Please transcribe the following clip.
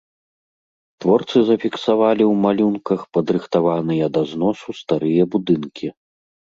Творцы зафіксавалі ў малюнках падрыхтаваныя да зносу старыя будынкі.